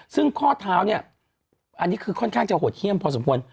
ซึ่งข้อเท้าเนี่ยอันนี้คือค่อนข้างจะโหดเยี่ยมพอสมควร